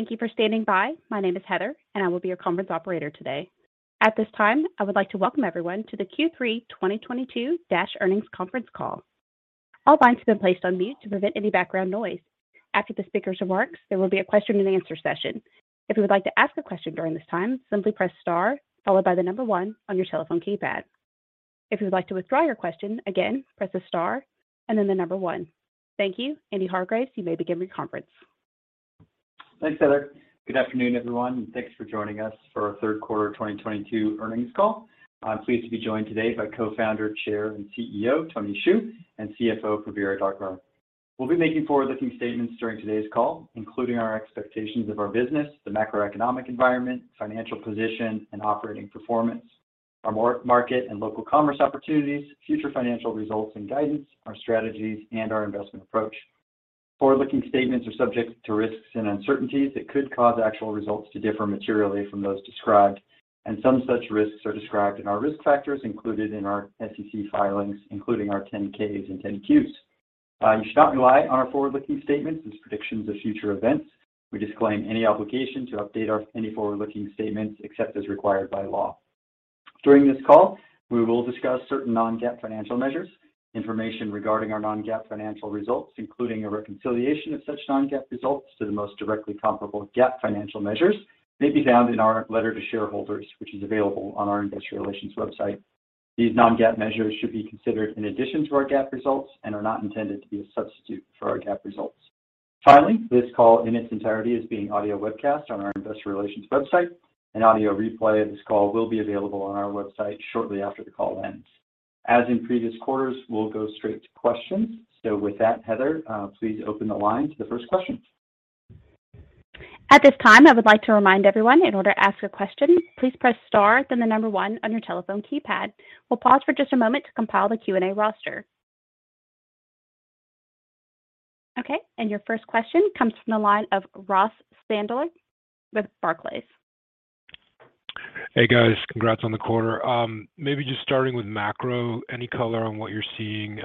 Thank you for standing by. My name is Heather, and I will be your conference operator today. At this time, I would like to welcome everyone to the Q3 2022 DoorDash Earnings Conference Call. All lines have been placed on mute to prevent any background noise. After the speaker's remarks, there will be a question and answer session. If you would like to ask a question during this time, simply press star followed by the number one on your telephone keypad. If you would like to withdraw your question, again, press the star and then the number one. Thank you. Andy Hargreaves, you may begin your conference. Thanks, Heather. Good afternoon, everyone, and thanks for joining us for our third quarter 2022 earnings call. I'm pleased to be joined today by Co-founder, Chair, and CEO Tony Xu, and CFO Prabir Adarkar. We'll be making forward-looking statements during today's call, including our expectations of our business, the macroeconomic environment, financial position, and operating performance, our market and local commerce opportunities, future financial results and guidance, our strategies, and our investment approach. Forward-looking statements are subject to risks and uncertainties that could cause actual results to differ materially from those described, and some such risks are described in our risk factors included in our SEC filings, including our 10-K and 10-Q. You should not rely on our forward-looking statements as predictions of future events. We disclaim any obligation to update any forward-looking statements except as required by law. During this call, we will discuss certain non-GAAP financial measures. Information regarding our non-GAAP financial results, including a reconciliation of such non-GAAP results to the most directly comparable GAAP financial measures, may be found in our letter to shareholders, which is available on our investor relations website. These non-GAAP measures should be considered in addition to our GAAP results and are not intended to be a substitute for our GAAP results. Finally, this call in its entirety is being audio webcast on our investor relations website. An audio replay of this call will be available on our website shortly after the call ends. As in previous quarters, we'll go straight to questions. With that, Heather, please open the line to the first question. At this time, I would like to remind everyone, in order to ask a question, please press star then one on your telephone keypad. We'll pause for just a moment to compile the Q&A roster. Okay, your first question comes from the line of Ross Sandler with Barclays. Hey, guys. Congrats on the quarter. Maybe just starting with macro, any color on what you're seeing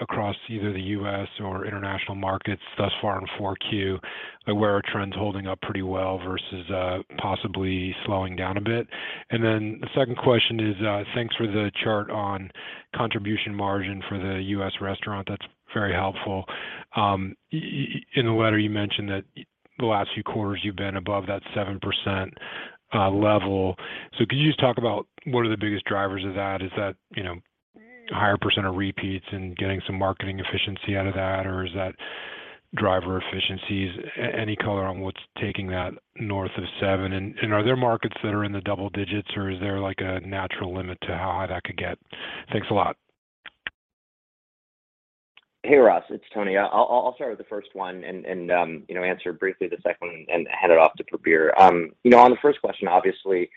across either the U.S. or international markets thus far in 4Q, like where are trends holding up pretty well versus possibly slowing down a bit? Then the second question is, thanks for the chart on contribution margin for the U.S. restaurant. That's very helpful. In the letter you mentioned that the last few quarters you've been above that 7% level. Could you just talk about what are the biggest drivers of that? Is that, you know, higher percent of repeats and getting some marketing efficiency out of that? Or is that driver efficiencies? Any color on what's taking that north of 7%? Are there markets that are in the double digits or is there like a natural limit to how high that could get? Thanks a lot. Hey, Ross. It's Tony. I'll start with the first one and you know, answer briefly the second one and hand it off to Prabir. You know, on the first question, obviously,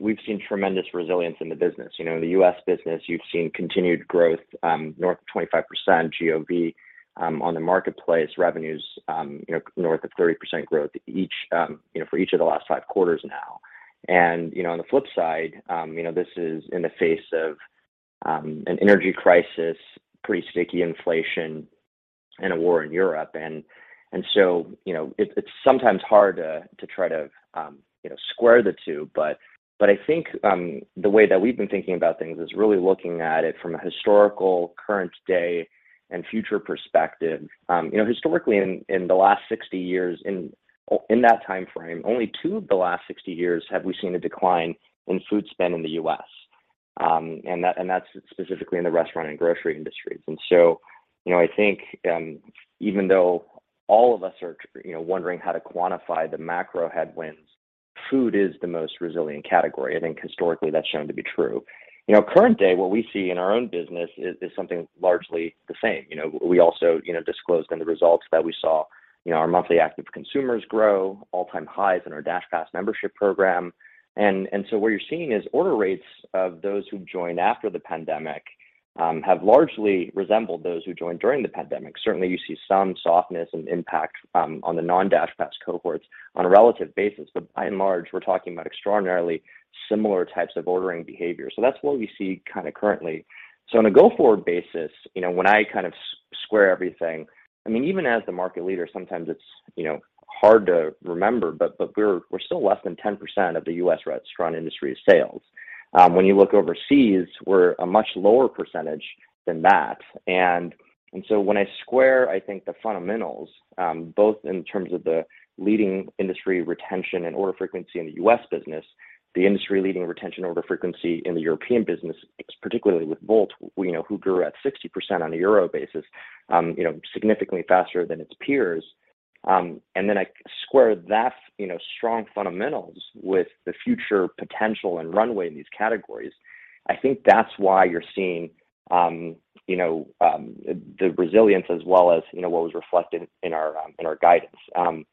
we've seen tremendous resilience in the business. You know, the U.S. business, you've seen continued growth north of 25% GOV on the marketplace revenues you know, north of 30% growth each you know, for each of the last five quarters now. You know, on the flip side you know, this is in the face of an energy crisis, pretty sticky inflation, and a war in Europe. It's sometimes hard to try to square the two, but I think the way that we've been thinking about things is really looking at it from a historical, current day, and future perspective. Historically in the last 60 years, in that timeframe, only two of the last 60 years have we seen a decline in food spend in the US, and that's specifically in the restaurant and grocery industries. I think even though all of us are wondering how to quantify the macro headwinds, food is the most resilient category. I think historically that's shown to be true. Current day, what we see in our own business is something largely the same. You know, we also, you know, disclosed in the results that we saw, you know, our monthly active consumers grow to all-time highs in our DashPass membership program. What you're seeing is order rates of those who joined after the pandemic have largely resembled those who joined during the pandemic. Certainly, you see some softness and impact on the non-DashPass cohorts on a relative basis. By and large, we're talking about extraordinarily similar types of ordering behavior. That's what we see kinda currently. On a go-forward basis, you know, when I kind of square everything, I mean, even as the market leader, sometimes it's, you know, hard to remember, but we're still less than 10% of the U.S. restaurant industry sales. When you look overseas, we're a much lower percentage than that. When I square, I think the fundamentals, both in terms of the leading industry retention and order frequency in the U.S. business, the industry-leading retention order frequency in the European business, particularly with Wolt, you know, who grew at 60% on a Euro basis, you know, significantly faster than its peers. I square that, you know, strong fundamentals with the future potential and runway in these categories. I think that's why you're seeing, you know, the resilience as well as, you know, what was reflected in our, in our guidance. On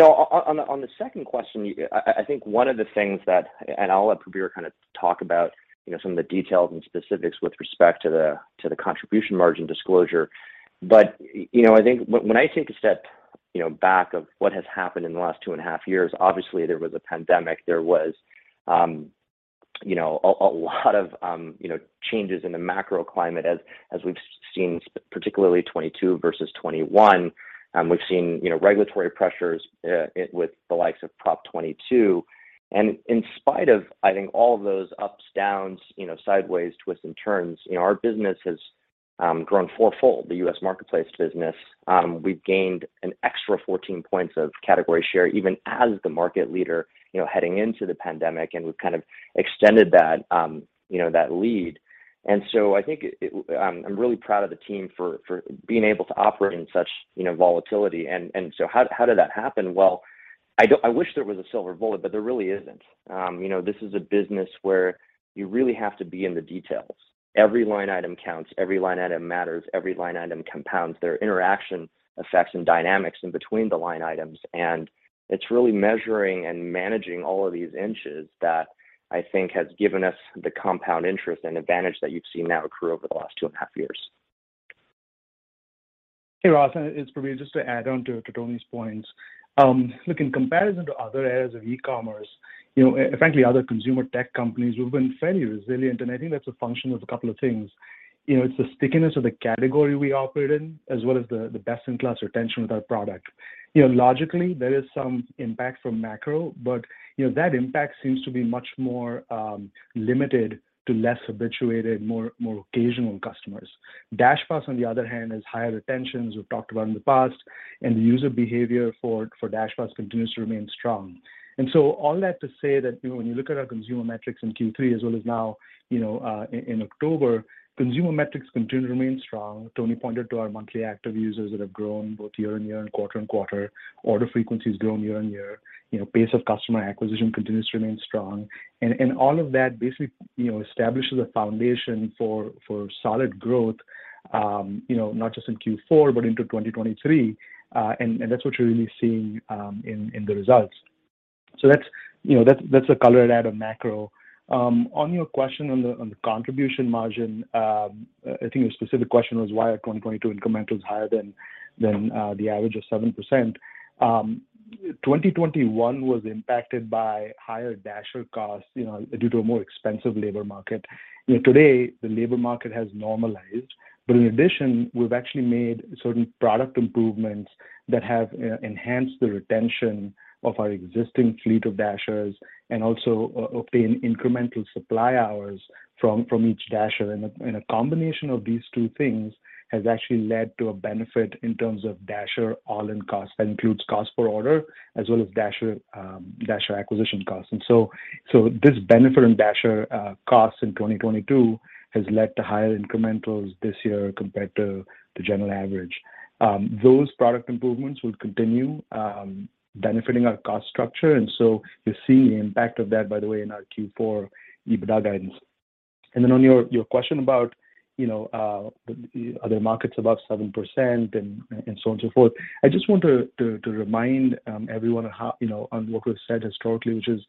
the second question, I think one of the things that I'll let Prabir kinda talk about, you know, some of the details and specifics with respect to the, to the contribution margin disclosure. I think when I take a step back from what has happened in the last 2.5 years, obviously there was a pandemic, there was you know a lot of you know changes in the macro climate as we've seen particularly 2022 versus 2021. We've seen you know regulatory pressures with the likes of Proposition 22. In spite of I think all of those ups, downs you know sideways twists and turns you know our business has grown fourfold, the U.S. marketplace business. We've gained an extra 14 points of category share, even as the market leader you know heading into the pandemic, and we've kind of extended that you know that lead. I'm really proud of the team for being able to operate in such, you know, volatility. How did that happen? I wish there was a silver bullet, but there really isn't. You know, this is a business where you really have to be in the details. Every line item counts, every line item matters, every line item compounds. There are interaction effects and dynamics in between the line items, and it's really measuring and managing all of these inches that I think has given us the compound interest and advantage that you've seen now accrue over the last two and a half years. Hey, Ross. It's Prabir. Just to add on to Tony's points. Look, in comparison to other areas of e-commerce, you know, and frankly, other consumer tech companies, we've been fairly resilient, and I think that's a function of a couple of things. You know, it's the stickiness of the category we operate in, as well as the best-in-class retention with our product. You know, logically, there is some impact from macro, but, you know, that impact seems to be much more limited to less habituated, more occasional customers. DashPass, on the other hand, has higher retentions, we've talked about in the past, and the user behavior for DashPass continues to remain strong. All that to say that, you know, when you look at our consumer metrics in Q3, as well as now, you know, in October, consumer metrics continue to remain strong. Tony pointed to our monthly active users that have grown both year-on-year and quarter-on-quarter. Order frequency has grown year-on-year. You know, pace of customer acquisition continues to remain strong. And all of that basically, you know, establishes a foundation for solid growth, you know, not just in Q4, but into 2023. And that's what you're really seeing in the results. That's a color and add on macro. On your question on the contribution margin, I think your specific question was why are 2022 incrementals higher than the average of 7%. 2021 was impacted by higher Dasher costs, you know, due to a more expensive labor market. You know, today, the labor market has normalized, but in addition, we've actually made certain product improvements that have enhanced the retention of our existing fleet of Dashers and also obtained incremental supply hours from each Dasher. A combination of these two things has actually led to a benefit in terms of Dasher all-in costs. That includes cost per order, as well as Dasher acquisition costs. This benefit in Dasher costs in 2022 has led to higher incrementals this year compared to the general average. Those product improvements will continue benefiting our cost structure, and so you'll see the impact of that, by the way, in our Q4 EBITDA guidance. On your question about, you know, other markets above 7% and so on and so forth, I just want to remind everyone you know on what we've said historically, which is,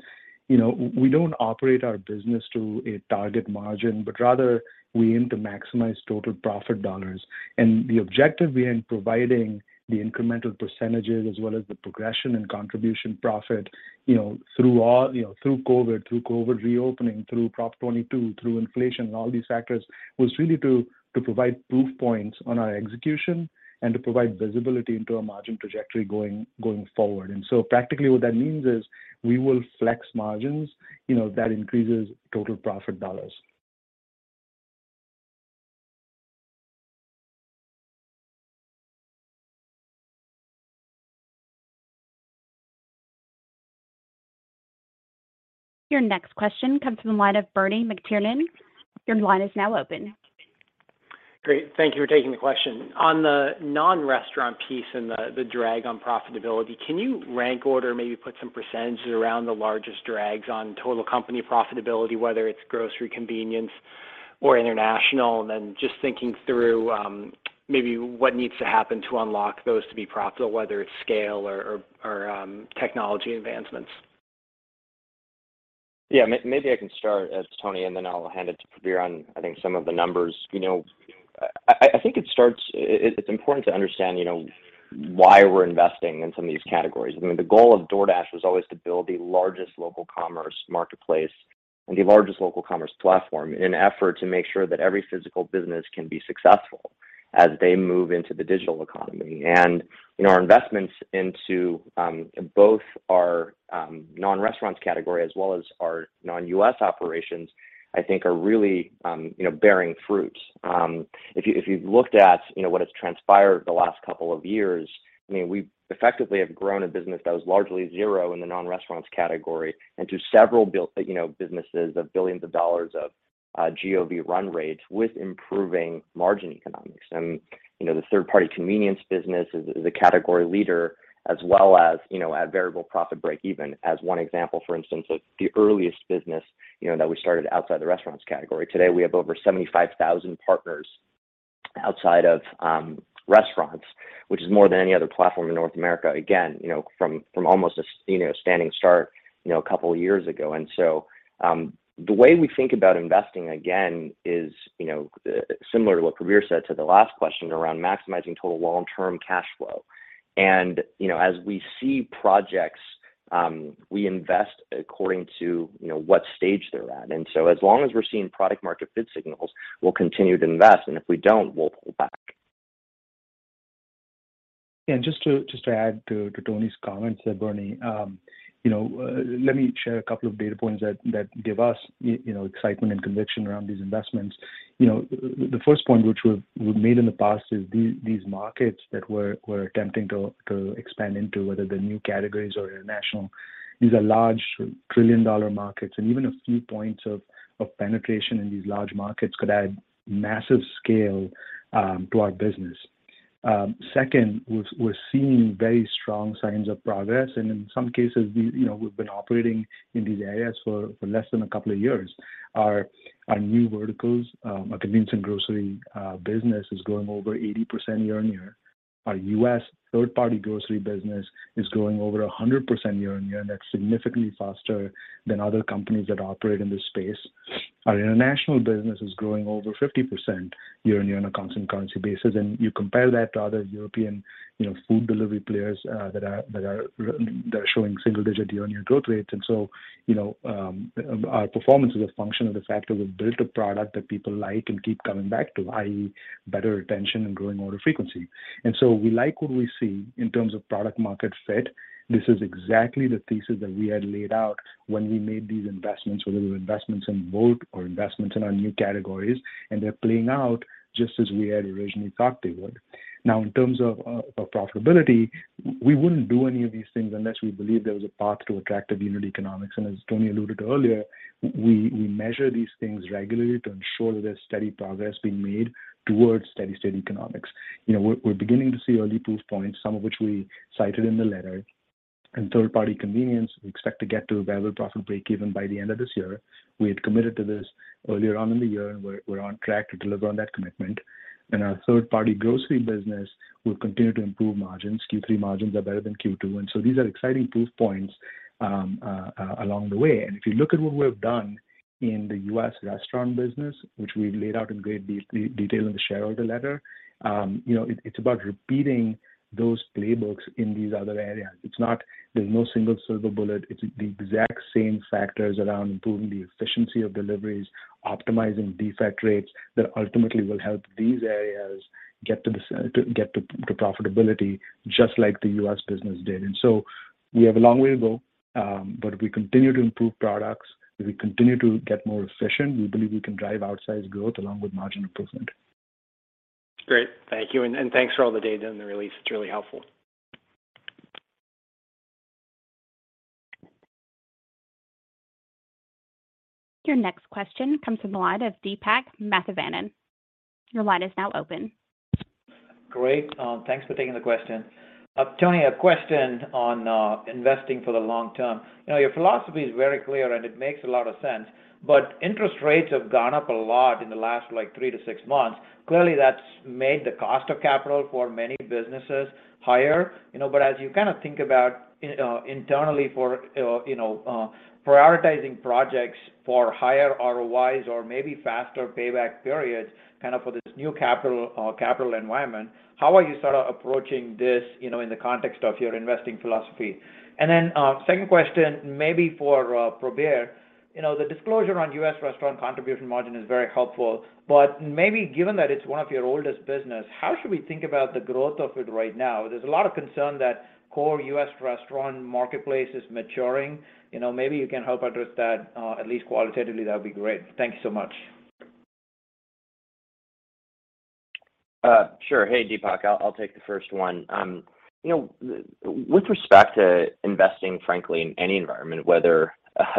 you know, we don't operate our business to a target margin, but rather we aim to maximize total profit dollars. The objective we had in providing the incremental percentages as well as the progression in contribution profit, you know, through all, you know, through COVID, through COVID reopening, through Proposition 22, through inflation, and all these factors, was really to provide proof points on our execution and to provide visibility into our margin trajectory going forward. Practically what that means is we will flex margins, you know, that increases total profit dollars. Your next question comes from the line of Bernie McTernan. Your line is now open. Great. Thank you for taking the question. On the non-restaurant piece and the drag on profitability, can you rank order, maybe put some percentages around the largest drags on total company profitability, whether it's grocery, convenience or international? Just thinking through, maybe what needs to happen to unlock those to be profitable, whether it's scale or technology advancements. Yeah. Maybe I can start, Tony, and then I'll hand it to Prabir on, I think, some of the numbers. You know, I think it's important to understand, you know, why we're investing in some of these categories. I mean, the goal of DoorDash was always to build the largest local commerce marketplace and the largest local commerce platform in an effort to make sure that every physical business can be successful as they move into the digital economy. You know, our investments into both our non-restaurants category as well as our non-US operations, I think are really, you know, bearing fruits. If you've looked at what has transpired the last couple of years, I mean, we effectively have grown a business that was largely zero in the non-restaurants category into several businesses of billions of dollars of GOV run rates with improving margin economics. You know, the third-party convenience business is a category leader as well as, you know, at variable profit breakeven. As one example, for instance, of the earliest business, you know, that we started outside the restaurants category. Today, we have over 75,000 partners outside of restaurants, which is more than any other platform in North America, again, you know, from almost a standing start, you know, a couple of years ago. The way we think about investing, again, is, you know, similar to what Prabir said to the last question around maximizing total long-term cash flow. You know, as we see projects, we invest according to, you know, what stage they're at. As long as we're seeing product market fit signals, we'll continue to invest. If we don't, we'll pull back. Yeah. Just to add to Tony's comments there, Bernie, you know, let me share a couple of data points that give us you know, excitement and conviction around these investments. You know, the first point which we've made in the past is these markets that we're attempting to expand into, whether they're new categories or international, these are large trillion-dollar markets. Even a few points of penetration in these large markets could add massive scale to our business. Second, we're seeing very strong signs of progress, and in some cases you know, we've been operating in these areas for less than a couple of years. Our new verticals, our convenience and grocery business is growing over 80% year-on-year. Our US third party grocery business is growing over 100% year-on-year, and that's significantly faster than other companies that operate in this space. Our international business is growing over 50% year-on-year on a constant currency basis. You compare that to other European, you know, food delivery players that are showing single-digit year-on-year growth rates. You know, our performance is a function of the fact that we've built a product that people like and keep coming back to, i.e., better retention and growing order frequency. We like what we see in terms of product market fit. This is exactly the thesis that we had laid out when we made these investments, whether they were investments in Wolt or investments in our new categories, and they're playing out just as we had originally thought they would. Now, in terms of profitability, we wouldn't do any of these things unless we believed there was a path to attractive unit economics. As Tony alluded earlier, we measure these things regularly to ensure that there's steady progress being made towards steady-state economics. You know, we're beginning to see early proof points, some of which we cited in the letter. In third-party convenience, we expect to get to a variable profit breakeven by the end of this year. We had committed to this earlier on in the year, and we're on track to deliver on that commitment. Our third-party grocery business will continue to improve margins. Q3 margins are better than Q2. These are exciting proof points along the way. If you look at what we've done in the US restaurant business, which we laid out in great detail in the shareholder letter, you know, it's about repeating those playbooks in these other areas. It's not. There's no single silver bullet. It's the exact same factors around improving the efficiency of deliveries, optimizing defect rates that ultimately will help these areas get to profitability just like the US business did. We have a long way to go, but if we continue to improve products, if we continue to get more efficient, we believe we can drive outsized growth along with margin improvement. Great. Thank you. Thanks for all the data in the release. It's really helpful. Your next question comes from the line of Deepak Mathivanan. Your line is now open. Great. Thanks for taking the question. Tony, a question on investing for the long term. You know, your philosophy is very clear, and it makes a lot of sense. Interest rates have gone up a lot in the last, like, three to six months. Clearly, that's made the cost of capital for many businesses higher, you know. As you kind of think about internally for, you know, prioritizing projects for higher ROIs or maybe faster payback periods, kind of for this new capital environment, how are you sort of approaching this, you know, in the context of your investing philosophy? Second question maybe for Prabir. You know, the disclosure on U.S. restaurant contribution margin is very helpful. maybe given that it's one of your oldest business, how should we think about the growth of it right now? There's a lot of concern that core U.S. restaurant marketplace is maturing. You know, maybe you can help address that, at least qualitatively. That would be great. Thank you so much. Sure. Hey, Deepak. I'll take the first one. You know, with respect to investing, frankly, in any environment, whether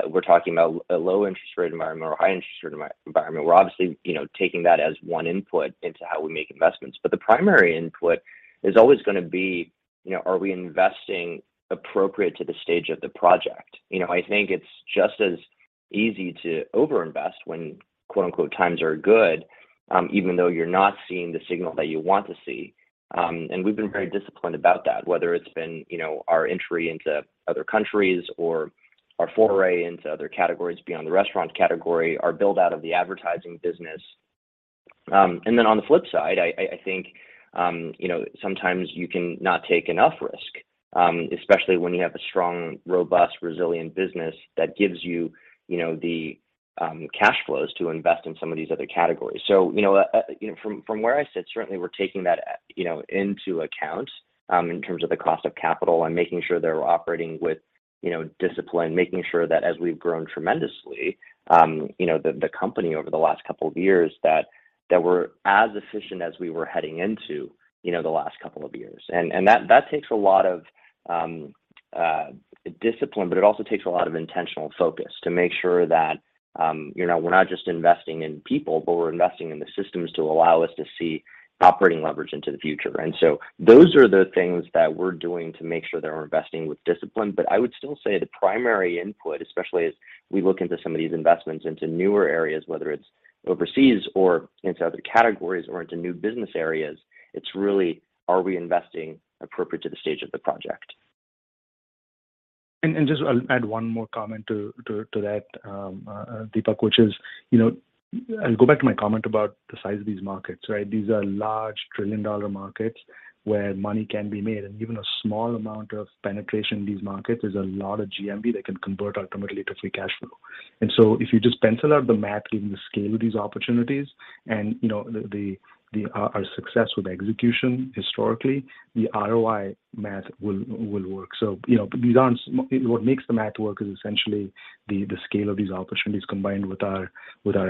we're talking about a low interest rate environment or a high interest rate environment, we're obviously, you know, taking that as one input into how we make investments. The primary input is always gonna be, you know, are we investing appropriate to the stage of the project? You know, I think it's just as easy to overinvest when, quote-unquote, times are good, even though you're not seeing the signal that you want to see. We've been very disciplined about that, whether it's been, you know, our entry into other countries or our foray into other categories beyond the restaurant category, our build-out of the advertising business. On the flip side, I think, you know, sometimes you can not take enough risk, especially when you have a strong, robust, resilient business that gives you know, the cash flows to invest in some of these other categories. You know, you know, from where I sit, certainly we're taking that, you know, into account, in terms of the cost of capital and making sure that we're operating with, you know, discipline, making sure that as we've grown tremendously, you know, the company over the last couple of years, that we're as efficient as we were heading into, you know, the last couple of years. That takes a lot of discipline, but it also takes a lot of intentional focus to make sure that you know, we're not just investing in people, but we're investing in the systems to allow us to see operating leverage into the future. Those are the things that we're doing to make sure that we're investing with discipline. I would still say the primary input, especially as we look into some of these investments into newer areas, whether it's overseas or into other categories or into new business areas. It's really, are we investing appropriately to the stage of the project? Just I'll add one more comment to that, Deepak, which is, you know, I'll go back to my comment about the size of these markets, right? These are large trillion-dollar markets where money can be made, and even a small amount of penetration in these markets is a lot of GMV that can convert ultimately to free cash flow. If you just pencil out the math given the scale of these opportunities and, you know, our success with execution historically, the ROI math will work. You know, these aren't. What makes the math work is essentially the scale of these opportunities combined with our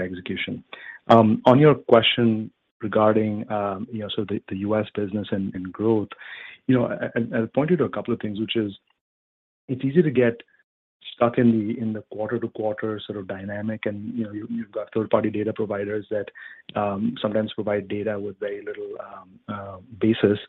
execution. On your question regarding, you know, so the U.S. business and growth. You know, I'll point you to a couple of things, which is it's easy to get stuck in the quarter-to-quarter sort of dynamic. You know, you've got third-party data providers that sometimes provide data with very little basis.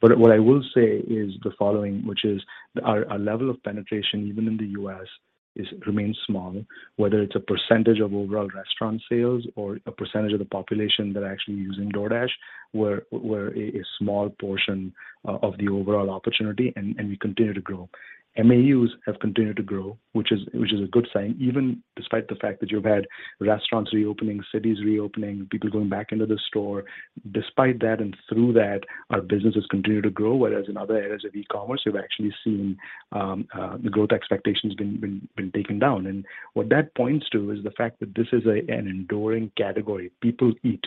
What I will say is the following, which is our level of penetration, even in the U.S., is remains small, whether it's a percentage of overall restaurant sales or a percentage of the population that are actually using DoorDash. We're a small portion of the overall opportunity, and we continue to grow. MAUs have continued to grow, which is a good sign, even despite the fact that you've had restaurants reopening, cities reopening, people going back into the store. Despite that and through that, our business has continued to grow, whereas in other areas of e-commerce, we've actually seen the growth expectations been taken down. What that points to is the fact that this is an enduring category. People eat.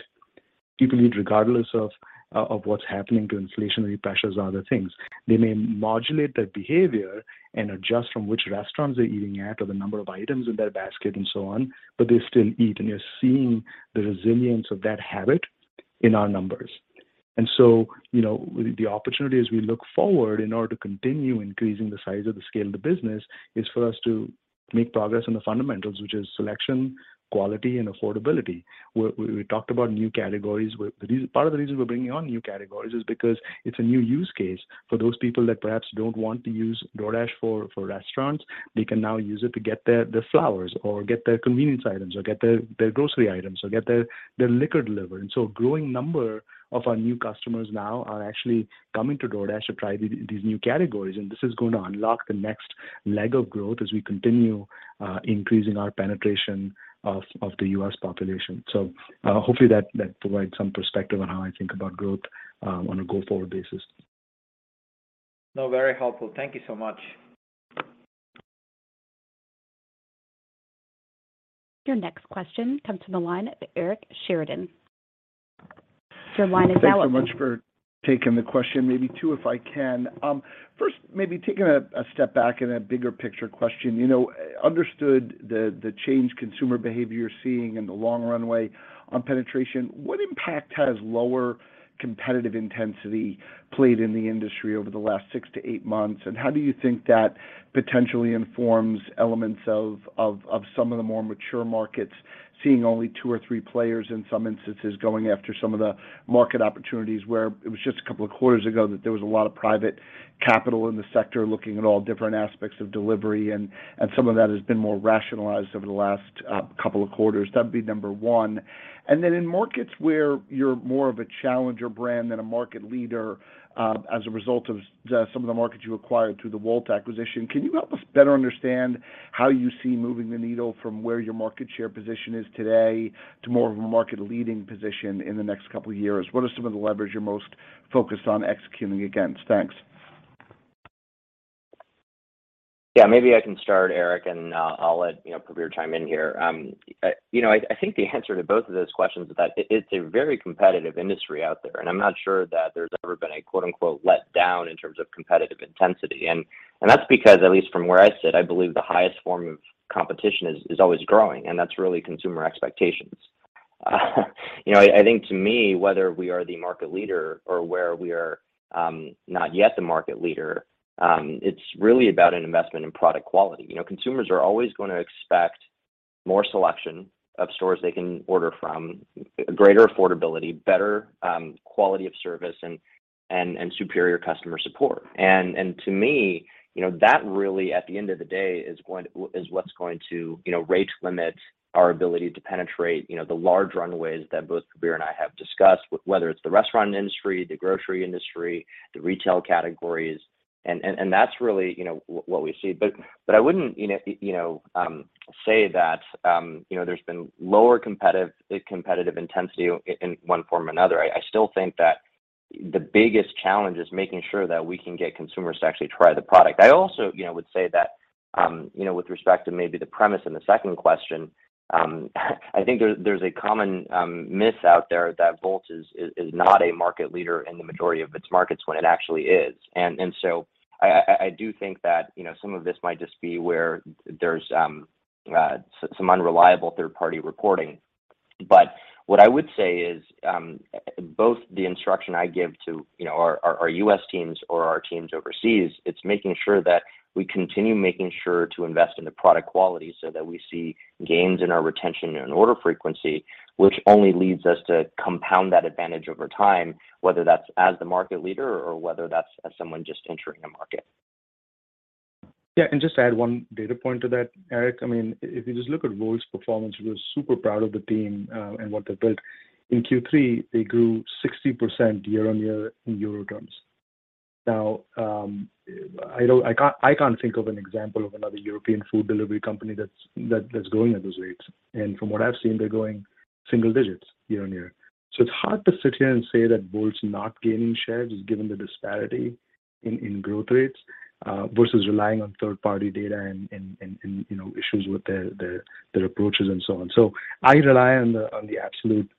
People eat regardless of what's happening to inflationary pressures or other things. They may modulate their behavior and adjust from which restaurants they're eating at or the number of items in their basket and so on, but they still eat, and you're seeing the resilience of that habit in our numbers. You know, the opportunity as we look forward in order to continue increasing the size of the scale of the business is for us to make progress on the fundamentals, which is selection, quality, and affordability. We talked about new categories. We're The reason, part of the reason we're bringing on new categories is because it's a new use case for those people that perhaps don't want to use DoorDash for restaurants. They can now use it to get their flowers or get their convenience items or get their grocery items or get their liquor delivered. A growing number of our new customers now are actually coming to DoorDash to try these new categories, and this is going to unlock the next leg of growth as we continue increasing our penetration of the U.S. population. Hopefully that provides some perspective on how I think about growth on a go-forward basis. No, very helpful. Thank you so much. Your next question comes from the line of Eric Sheridan. Your line is open. Thank you so much for taking the question. Maybe two, if I can. First, maybe taking a step back in a bigger picture question. You know, understand the change in consumer behavior you're seeing and the long runway on penetration. What impact has lower competitive intensity played in the industry over the last six to eight months? And how do you think that potentially informs elements of some of the more mature markets seeing only two or three players, in some instances, going after some of the market opportunities where it was just a couple of quarters ago that there was a lot of private capital in the sector looking at all different aspects of delivery and some of that has been more rationalized over the last couple of quarters? That'd be number one. In markets where you're more of a challenger brand than a market leader, as a result of some of the markets you acquired through the Wolt acquisition, can you help us better understand how you see moving the needle from where your market share position is today to more of a market-leading position in the next couple of years? What are some of the levers you're most focused on executing against? Thanks. Yeah, maybe I can start, Eric, and I'll let you know, Prabir chime in here. You know, I think the answer to both of those questions is that it's a very competitive industry out there, and I'm not sure that there's ever been a quote-unquote letdown in terms of competitive intensity. That's because, at least from where I sit, I believe the highest form of competition is always growing, and that's really consumer expectations. You know, I think to me, whether we are the market leader or where we are not yet the market leader, it's really about an investment in product quality. You know, consumers are always gonna expect more selection of stores they can order from, greater affordability, better quality of service and superior customer support. To me, you know, that really at the end of the day is what's going to, you know, rate limit our ability to penetrate, you know, the large runways that both Prabir and I have discussed, whether it's the restaurant industry, the grocery industry, the retail categories. That's really, you know, what we see. I wouldn't, you know, you know, there's been lower competitive intensity in one form or another. I still think that the biggest challenge is making sure that we can get consumers to actually try the product. I also, you know, would say that, you know, with respect to maybe the premise in the second question, I think there's a common myth out there that Wolt is not a market leader in the majority of its markets when it actually is. I do think that, you know, some of this might just be where there's some unreliable third-party reporting. What I would say is, both the instruction I give to, you know, our US teams or our teams overseas, it's making sure that we continue making sure to invest in the product quality so that we see gains in our retention and order frequency, which only leads us to compound that advantage over time, whether that's as the market leader or whether that's as someone just entering a market. Yeah. Just to add one data point to that, Eric. I mean, if you just look at Wolt's performance, we're super proud of the team and what they've built. In Q3, they grew 60% year-on-year in Euro terms. Now, I can't think of an example of another European food delivery company that's growing at those rates. From what I've seen, they're growing single digits year-on-year. It's hard to sit here and say that Wolt's not gaining shares given the disparity in growth rates versus relying on third-party data and you know, issues with their approaches and so on. I rely on the absolute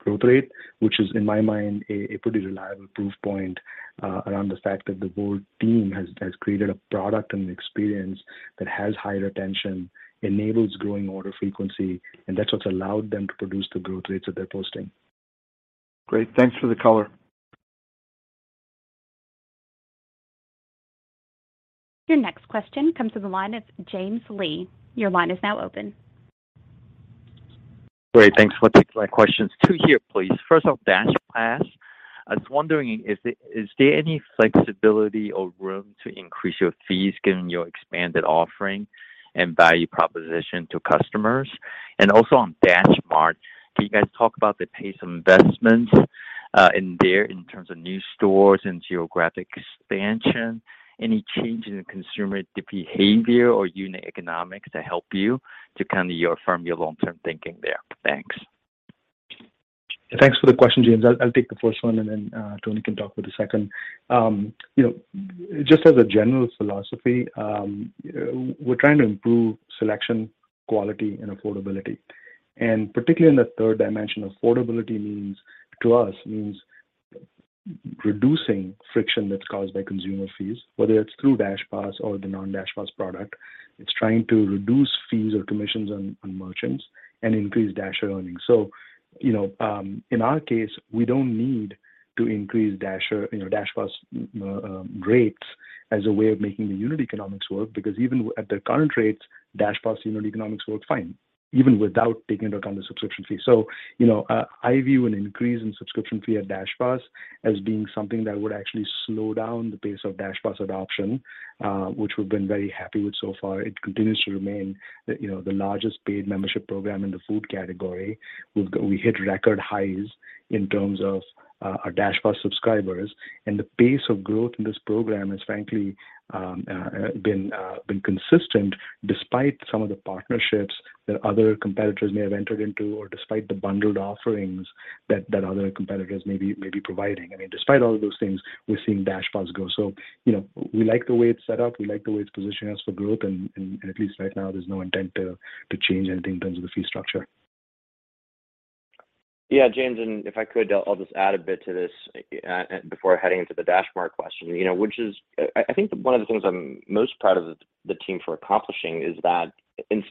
growth rate, which is, in my mind, a pretty reliable proof point around the fact that the whole team has created a product and experience that has high retention, enables growing order frequency, and that's what's allowed them to produce the growth rates that they're posting. Great. Thanks for the color. Your next question comes to the line of James Lee. Your line is now open. Great. Thanks for taking my questions. Two here, please. First off, DashPass. I was wondering, is there any flexibility or room to increase your fees given your expanded offering and value proposition to customers? And also on DashMart, can you guys talk about the pace of investments in there in terms of new stores and geographic expansion? Any change in the consumer behavior or unit economics that help you to kind of affirm your long-term thinking there? Thanks. Thanks for the question, James. I'll take the first one, and then Tony can talk about the second. You know, just as a general philosophy, we're trying to improve selection, quality, and affordability. Particularly in the third dimension, affordability means to us reducing friction that's caused by consumer fees, whether it's through DashPass or the non-DashPass product. It's trying to reduce fees or commissions on merchants and increase Dasher earnings. You know, in our case, we don't need to increase Dasher, you know, DashPass rates as a way of making the unit economics work, because even at the current rates, DashPass unit economics work fine, even without taking a cut on the subscription fee. You know, I view an increase in subscription fee at DashPass as being something that would actually slow down the pace of DashPass adoption, which we've been very happy with so far. It continues to remain, you know, the largest paid membership program in the food category. We hit record highs in terms of our DashPass subscribers, and the pace of growth in this program has frankly been consistent despite some of the partnerships that other competitors may have entered into or despite the bundled offerings that other competitors may be providing. I mean, despite all of those things, we're seeing DashPass grow. You know, we like the way it's set up. We like the way it's positioned us for growth and at least right now, there's no intent to change anything in terms of the fee structure. Yeah, James, if I could, I'll just add a bit to this before heading into the DashMart question. You know, which is I think one of the things I'm most proud of the team for accomplishing is that in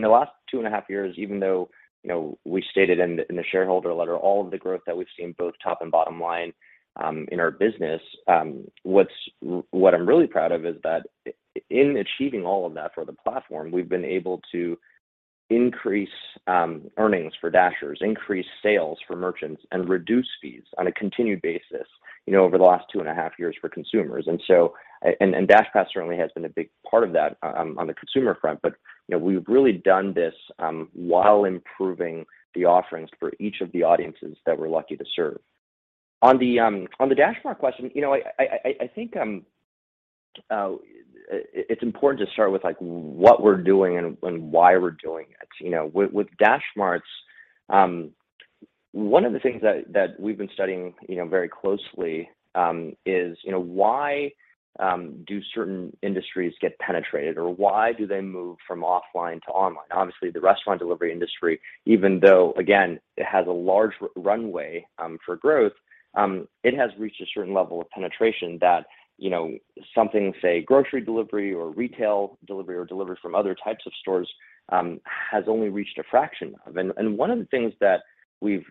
the last 2.5 years, even though, you know, we stated in the shareholder letter, all of the growth that we've seen, both top and bottom line, in our business, what I'm really proud of is that in achieving all of that for the platform, we've been able to increase earnings for Dashers, increase sales for merchants, and reduce fees on a continued basis, you know, over the last 2.5 years for consumers. DashPass certainly has been a big part of that on the consumer front, but, you know, we've really done this while improving the offerings for each of the audiences that we're lucky to serve. On the DashMart question, you know, I think it's important to start with, like, what we're doing and why we're doing it. You know, with DashMarts, one of the things that we've been studying, you know, very closely, is, you know, why do certain industries get penetrated or why do they move from offline to online? Obviously, the restaurant delivery industry, even though, again, it has a large runway for growth, it has reached a certain level of penetration that, you know, something, say, grocery delivery or retail delivery or delivery from other types of stores has only reached a fraction of. One of the things that we've,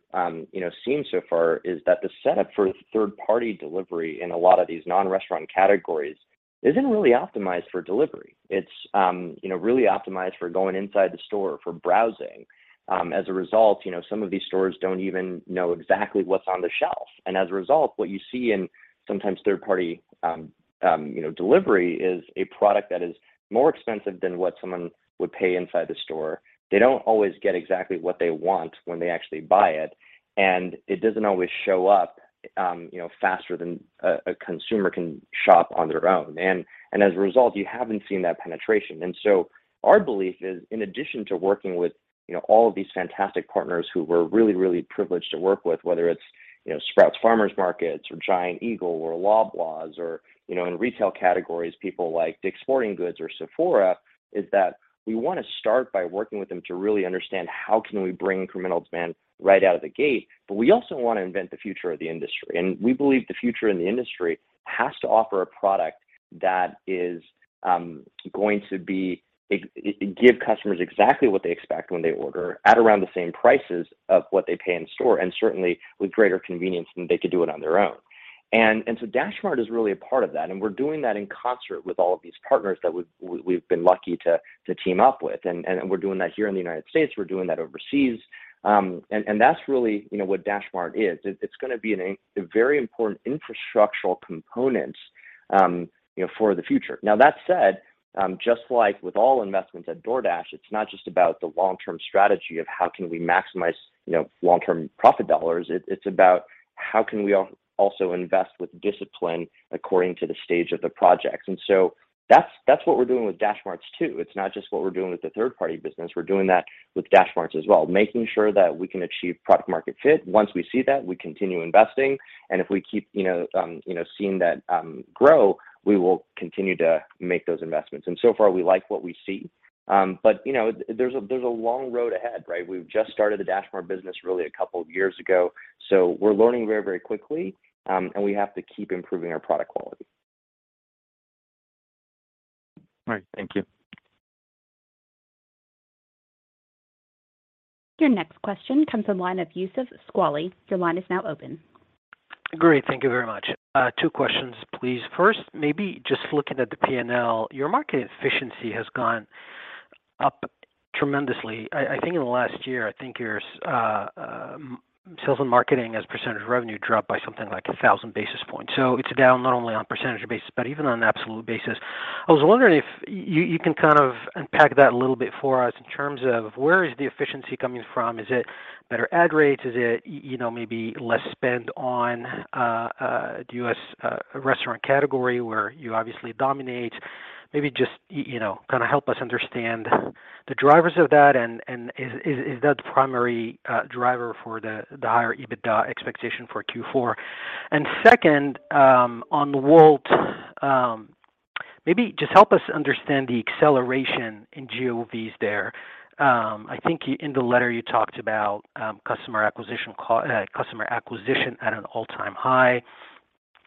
you know, seen so far is that the setup for third-party delivery in a lot of these non-restaurant categories isn't really optimized for delivery. It's, you know, really optimized for going inside the store for browsing. As a result, you know, some of these stores don't even know exactly what's on the shelf. As a result, what you see in some third-party, you know, delivery is a product that is more expensive than what someone would pay inside the store. They don't always get exactly what they want when they actually buy it. It doesn't always show up, you know, faster than a consumer can shop on their own. As a result, you haven't seen that penetration. Our belief is, in addition to working with, you know, all of these fantastic partners who we're really, really privileged to work with, whether it's, you know, Sprouts Farmers Market, or Giant Eagle, or Loblaws or, you know, in retail categories, people like DICK'S Sporting Goods or Sephora, that we want to start by working with them to really understand how can we bring incremental demand right out of the gate, but we also want to invent the future of the industry. We believe the future in the industry has to offer a product that is going to give customers exactly what they expect when they order at around the same prices of what they pay in store, and certainly with greater convenience than they could do it on their own. DashMart is really a part of that, and we're doing that in concert with all of these partners that we've been lucky to team up with. We're doing that here in the United States, we're doing that overseas. That's really, you know, what DashMart is. It's gonna be a very important infrastructural component, you know, for the future. Now, that said, just like with all investments at DoorDash, it's not just about the long-term strategy of how can we maximize, you know, long-term profit dollars. It's about how can we also invest with discipline according to the stage of the projects. That's what we're doing with DashMart too. It's not just what we're doing with the third party business, we're doing that with DashMart as well, making sure that we can achieve product market fit. Once we see that, we continue investing, and if we keep, you know, seeing that grow, we will continue to make those investments. So far we like what we see. You know, there's a long road ahead, right? We've just started the DashMart business really a couple of years ago, so we're learning very, very quickly, and we have to keep improving our product quality. All right. Thank you. Your next question comes from the line of Youssef Squali. Your line is now open. Great. Thank you very much. Two questions, please. First, maybe just looking at the P&L, your marketing efficiency has gone up tremendously. I think in the last year, I think your sales and marketing as a percentage of revenue dropped by something like 1000 basis points. It's down not only on percentage basis, but even on an absolute basis. I was wondering if you can kind of unpack that a little bit for us in terms of where is the efficiency coming from. Is it better ad rates? Is it, you know, maybe less spend on the U.S. restaurant category where you obviously dominate? Maybe just, you know, kind of help us understand the drivers of that and is that the primary driver for the higher EBITDA expectation for Q4? Second, on the Wolt, maybe just help us understand the acceleration in GOVs there. I think in the letter you talked about customer acquisition at an all-time high,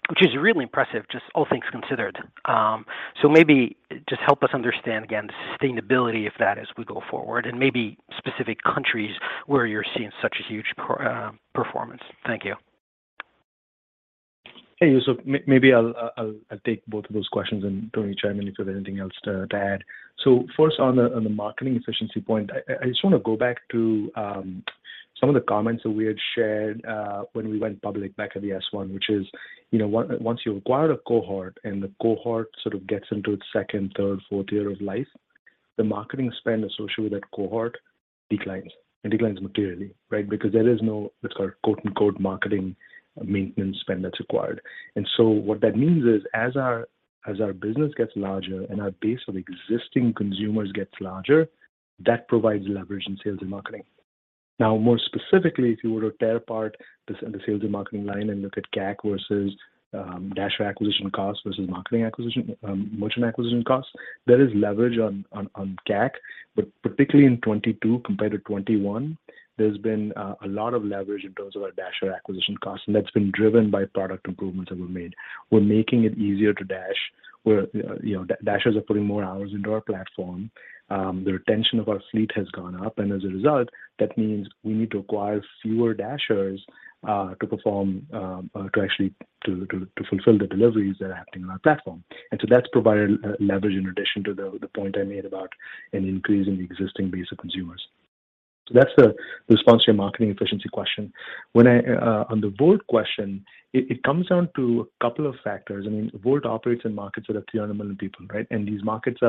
which is really impressive, just all things considered. Maybe just help us understand, again, the sustainability of that as we go forward and maybe specific countries where you're seeing such a huge performance. Thank you. Hey, Youssef. Maybe I'll take both of those questions, and Tony, chime in if you have anything else to add. First, on the marketing efficiency point, I just wanna go back to some of the comments that we had shared when we went public back at the S-1, which is, you know, once you acquire a cohort and the cohort sort of gets into its second, third, fourth year of life, the marketing spend associated with that cohort declines materially, right? Because there is no what's called quote-unquote, "marketing maintenance spend" that's required. What that means is, as our business gets larger and our base of existing consumers gets larger, that provides leverage in sales and marketing. Now, more specifically, if you were to tear apart the sales and marketing line and look at CAC versus Dasher acquisition costs versus merchant acquisition costs, there is leverage on CAC, but particularly in 2022 compared to 2021, there's been a lot of leverage in terms of our Dasher acquisition costs, and that's been driven by product improvements that we've made. We're making it easier to dash. You know, Dashers are putting more hours into our platform. The retention of our fleet has gone up, and as a result, that means we need to acquire fewer Dashers to actually fulfill the deliveries that are happening on our platform. That's provided leverage in addition to the point I made about an increase in the existing base of consumers. That's the response to your marketing efficiency question. When I on the Wolt question, it comes down to a couple of factors. I mean, Wolt operates in markets that are 300 million people, right? These markets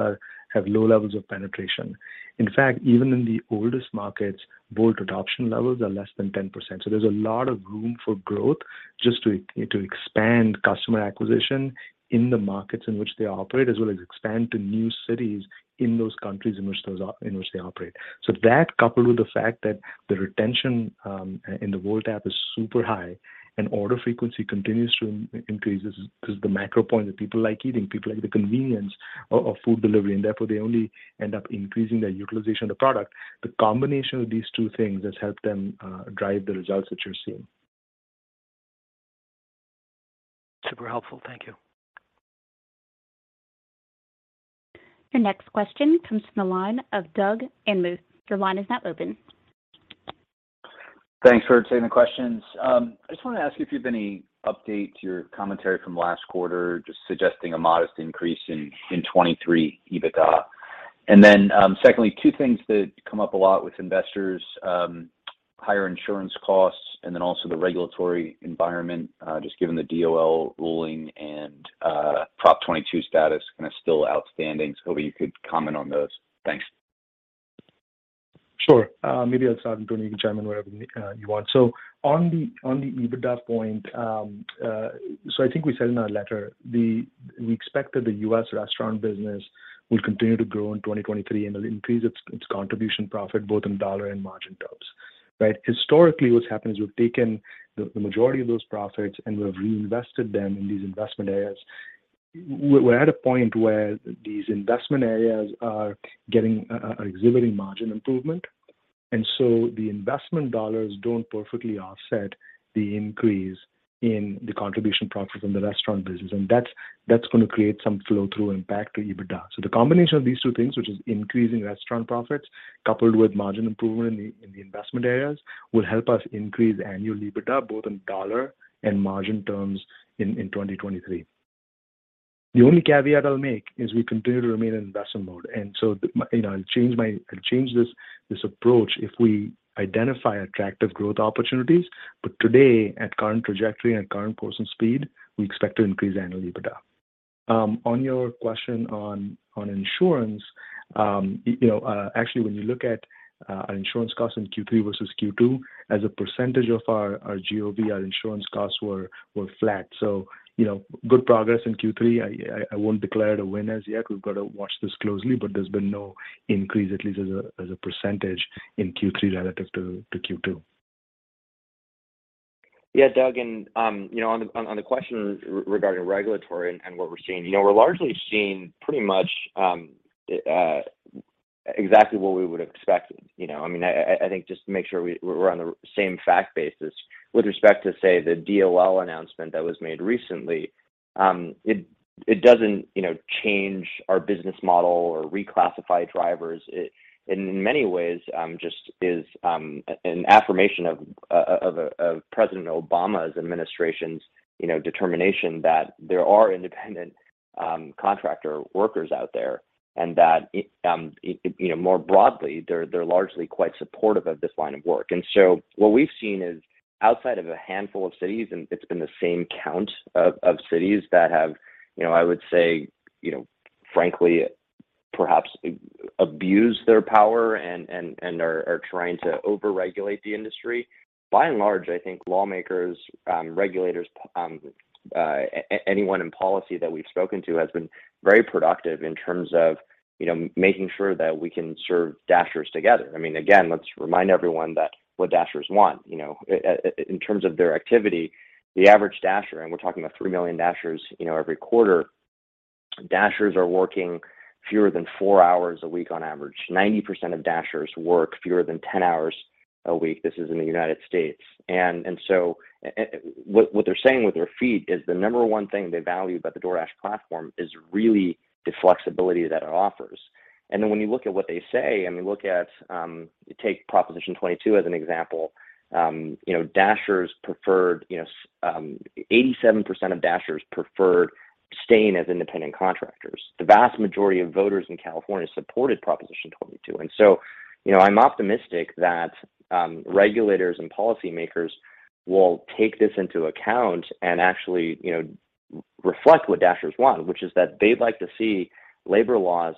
have low levels of penetration. In fact, even in the oldest markets, Wolt adoption levels are less than 10%. There's a lot of room for growth just to expand customer acquisition in the markets in which they operate, as well as expand to new cities in those countries in which they operate. That, coupled with the fact that the retention in the Wolt app is super high and order frequency continues to increase 'cause the macro point that people like eating, people like the convenience of food delivery, and therefore they only end up increasing their utilization of the product. The combination of these two things has helped them drive the results that you're seeing. Super helpful. Thank you. Your next question comes from the line of Doug Anmuth. Your line is now open. Thanks for taking the questions. I just wanna ask you if you have any update to your commentary from last quarter, just suggesting a modest increase in 2023 EBITDA. And then, secondly, two things that come up a lot with investors, higher insurance costs and then also the regulatory environment, just given the DOL ruling and Proposition 22 status still outstanding. Hoping you could comment on those. Thanks. Sure. Maybe I'll start, and Tony, you can chime in wherever you want. On the EBITDA point, I think we said in our letter we expect that the U.S. restaurant business will continue to grow in 2023 and will increase its contribution profit both in dollar and margin terms, right? Historically, what's happened is we've taken the majority of those profits and we've reinvested them in these investment areas. We're at a point where these investment areas are exhibiting margin improvement, and so the investment dollars don't perfectly offset the increase in the contribution profits in the restaurant business, and that's gonna create some flow-through impact to EBITDA. The combination of these two things, which is increasing restaurant profits coupled with margin improvement in the investment areas, will help us increase annual EBITDA, both in dollar and margin terms in 2023. The only caveat I'll make is we continue to remain in investment mode. You know, I'll change this approach if we identify attractive growth opportunities. Today, at current trajectory and current pace and speed, we expect to increase annual EBITDA. On your question on insurance, you know, actually, when you look at our insurance costs in Q3 versus Q2, as a percentage of our GOV, our insurance costs were flat. You know, good progress in Q3. I won't declare it a win as yet. We've got to watch this closely, but there's been no increase, at least as a percentage in Q3 relative to Q2. Yeah, Doug, you know, on the question regarding regulatory and what we're seeing, you know, we're largely seeing pretty much exactly what we would expect. You know, I mean, I think just to make sure we're on the same fact basis with respect to say the DOL announcement that was made recently, it doesn't change our business model or reclassify drivers. It and in many ways just is an affirmation of President Obama's administration's determination that there are independent contractor workers out there and that it, more broadly, they're largely quite supportive of this line of work. What we've seen is outside of a handful of cities, and it's been the same count of cities that have, you know, I would say, you know, frankly, perhaps abused their power and are trying to overregulate the industry. By and large, I think lawmakers, regulators, anyone in policy that we've spoken to has been very productive in terms of, you know, making sure that we can serve Dashers together. I mean, again, let's remind everyone that what Dashers want, you know, in terms of their activity, the average Dasher, and we're talking about 3 million Dashers, you know, every quarter, Dashers are working fewer than four hours a week on average. 90% of Dashers work fewer than 10 hours a week. This is in the United States. What they're saying with their feedback is the number one thing they value about the DoorDash platform is really the flexibility that it offers. Then when you look at what they say, take Proposition 22 as an example, you know, 87% of Dashers preferred staying as independent contractors. The vast majority of voters in California supported Proposition 22. You know, I'm optimistic that regulators and policymakers will take this into account and actually, you know, reflect what Dashers want, which is that they'd like to see labor laws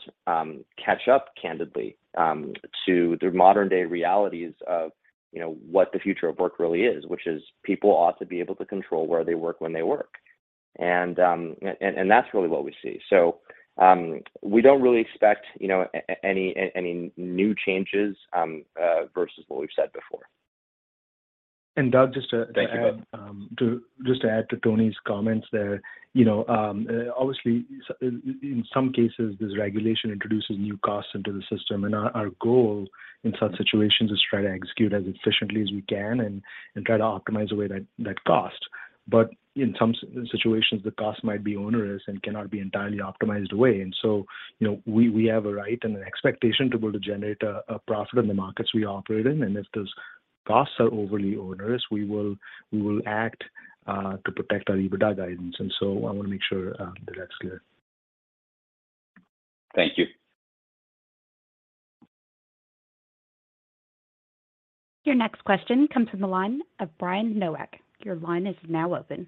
catch up candidly to the modern-day realities of, you know, what the future of work really is, which is people ought to be able to control where they work, when they work. That's really what we see. We don't really expect, you know, any new changes versus what we've said before. Doug, just to add- Thank you, Doug Anmuth. To just add to Tony's comments there, you know, obviously in some cases, this regulation introduces new costs into the system. Our goal in such situations is try to execute as efficiently as we can and try to optimize away that cost. In some situations, the cost might be onerous and cannot be entirely optimized away. You know, we have a right and an expectation to be able to generate a profit in the markets we operate in, and if those costs are overly onerous, we will act to protect our EBITDA guidance. I want to make sure that that's clear. Thank you. Your next question comes from the line of Brian Nowak. Your line is now open.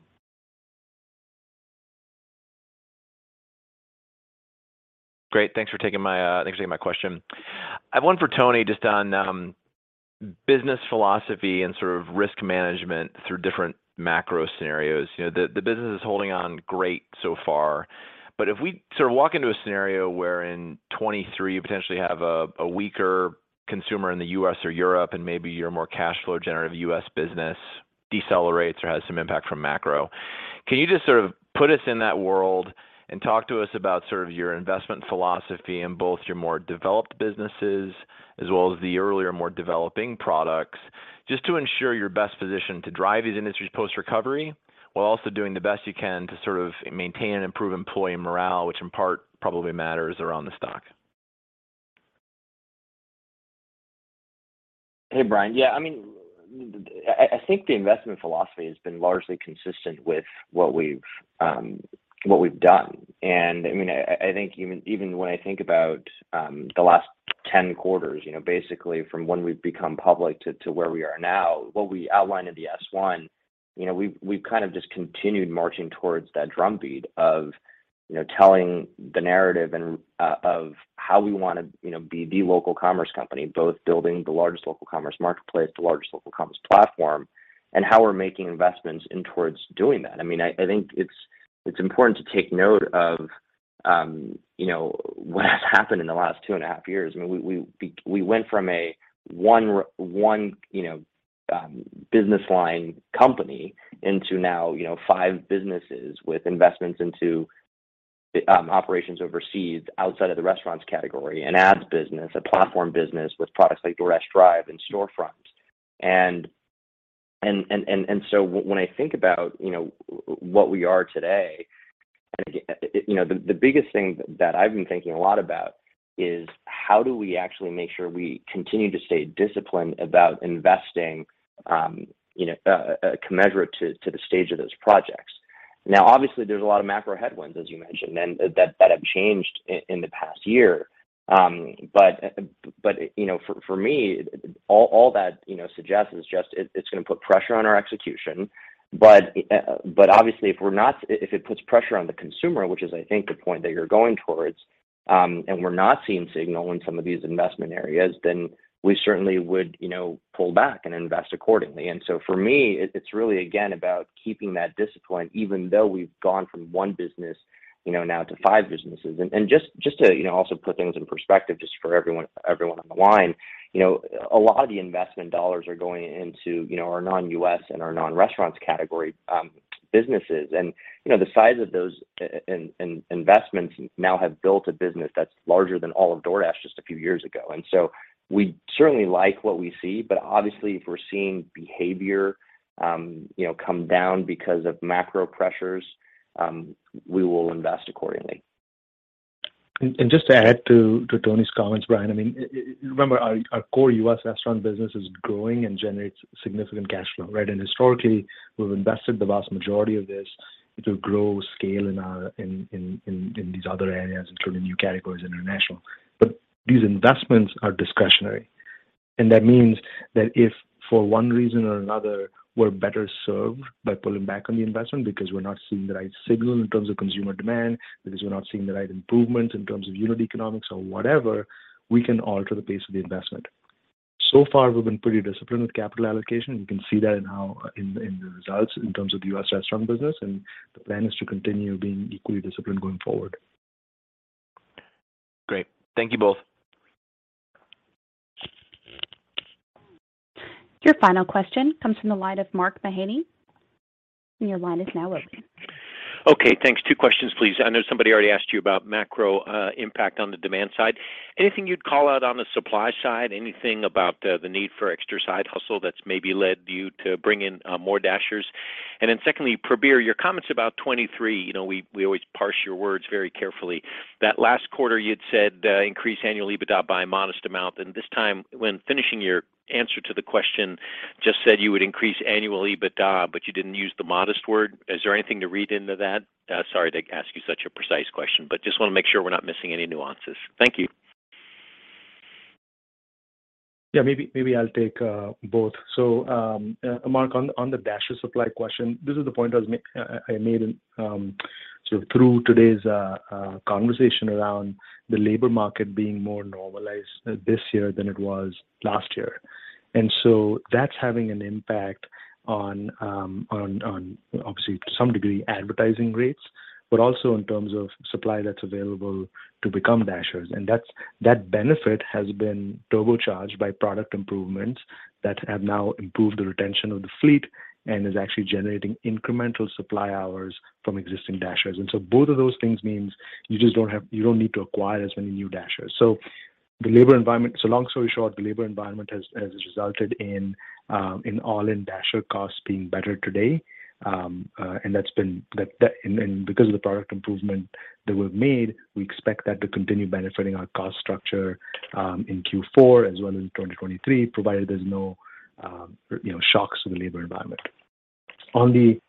Great. Thanks for taking my question. I have one for Tony, just on business philosophy and sort of risk management through different macro scenarios. You know, the business is holding on great so far. If we sort of walk into a scenario where in 2023 you potentially have a weaker consumer in the US or Europe and maybe your more cash flow generative US business decelerates or has some impact from macro, can you just sort of put us in that world and talk to us about sort of your investment philosophy in both your more developed businesses as well as the earlier, more developing products, just to ensure you're best positioned to drive these industries post recovery, while also doing the best you can to sort of maintain and improve employee morale, which in part probably matters around the stock? Hey, Brian. Yeah, I mean, I think the investment philosophy has been largely consistent with what we've done. I mean, I think even when I think about the last 10 quarters, you know, basically from when we've become public to where we are now, what we outlined in the S-1, you know, we've kind of just continued marching towards that drumbeat of you know, telling the narrative and of how we wanna you know, be the local commerce company, both building the largest local commerce marketplace, the largest local commerce platform, and how we're making investments in towards doing that. I mean, I think it's important to take note of you know, what has happened in the last 2.5 years. I mean, we went from a one business line company into now, you know, five businesses with investments into operations overseas outside of the restaurants category, an ads business, a platform business with products like DoorDash Drive and Storefront. So when I think about, you know, what we are today, you know, the biggest thing that I've been thinking a lot about is how do we actually make sure we continue to stay disciplined about investing, you know, commensurate to the stage of those projects. Now, obviously, there's a lot of macro headwinds, as you mentioned, and that have changed in the past year. You know, for me, all that suggests is just it's gonna put pressure on our execution. Obviously, if it puts pressure on the consumer, which is, I think, the point that you're going towards, and we're not seeing signal in some of these investment areas, then we certainly would, you know, pull back and invest accordingly. For me, it's really again about keeping that discipline, even though we've gone from one business, you know, now to five businesses. Just to also put things in perspective just for everyone on the line, you know, a lot of the investment dollars are going into our non-US and our non-restaurants category businesses. You know, the size of those in investments now have built a business that's larger than all of DoorDash just a few years ago. We certainly like what we see, but obviously, if we're seeing behavior, you know, come down because of macro pressures, we will invest accordingly. Just to add to Tony's comments, Brian, I mean, remember our core US restaurant business is growing and generates significant cash flow, right? Historically, we've invested the vast majority of this to grow scale in our in these other areas, including new categories international. These investments are discretionary, and that means that if for one reason or another, we're better served by pulling back on the investment because we're not seeing the right signal in terms of consumer demand, because we're not seeing the right improvement in terms of unit economics or whatever, we can alter the pace of the investment. So far, we've been pretty disciplined with capital allocation. You can see that in how in the results in terms of the US restaurant business, and the plan is to continue being equally disciplined going forward. Great. Thank you both. Your final question comes from the line of Mark Mahaney. Your line is now open. Okay, thanks. 2 questions, please. I know somebody already asked you about macro impact on the demand side. Anything you'd call out on the supply side? Anything about the need for extra side hustle that's maybe led you to bring in more dashers? And then secondly, Prabir, your comments about 2023, you know, we always parse your words very carefully. That last quarter you'd said increase annual EBITDA by a modest amount, and this time when finishing your answer to the question, just said you would increase annual EBITDA, but you didn't use the modest word. Is there anything to read into that? Sorry to ask you such a precise question, but just wanna make sure we're not missing any nuances. Thank you. Yeah. Maybe I'll take both. Mark, on the Dasher supply question, this is the point I made through today's conversation around the labor market being more normalized this year than it was last year. That's having an impact on, obviously to some degree, advertising rates, but also in terms of supply that's available to become Dashers. That benefit has been turbocharged by product improvements that have now improved the retention of the fleet and is actually generating incremental supply hours from existing Dashers. Both of those things means you just don't need to acquire as many new Dashers. Long story short, the labor environment has resulted in all-in Dasher costs being better today. Because of the product improvement that we've made, we expect that to continue benefiting our cost structure in Q4 as well as in 2023, provided there's no you know shocks to the labor environment. On the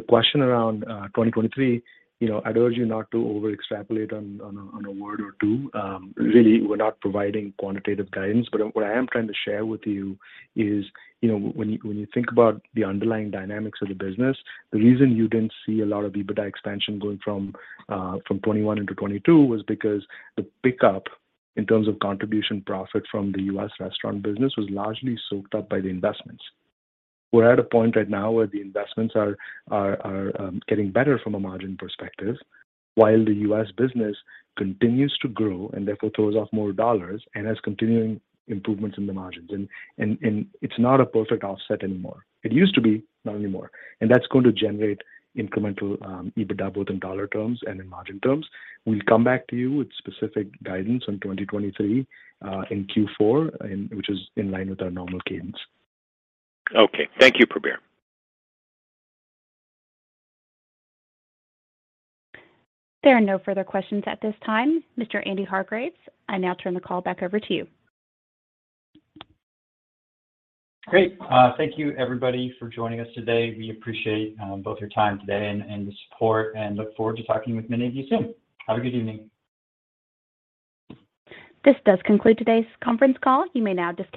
question around 2023, you know, I'd urge you not to overextrapolate on a word or two. Really, we're not providing quantitative guidance, but what I am trying to share with you is, you know, when you think about the underlying dynamics of the business, the reason you didn't see a lot of EBITDA expansion going from 2021 into 2022 was because the pickup in terms of contribution profit from the US restaurant business was largely soaked up by the investments. We're at a point right now where the investments are getting better from a margin perspective, while the U.S. business continues to grow and therefore throws off more dollars and has continuing improvements in the margins. It's not a perfect offset anymore. It used to be, not anymore. That's going to generate incremental EBITDA both in dollar terms and in margin terms. We'll come back to you with specific guidance on 2023, in Q4, and which is in line with our normal cadence. Okay. Thank you, Prabir. There are no further questions at this time. Mr. Andy Hargreaves, I now turn the call back over to you. Great. Thank you, everybody, for joining us today. We appreciate both your time today and the support and look forward to talking with many of you soon. Have a good evening. This does conclude today's conference call. You may now disconnect.